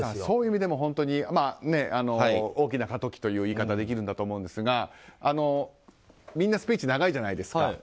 そういう意味でも本当に大きな過渡期という言い方ができると思うんですがみんなスピーチ長いじゃないですか。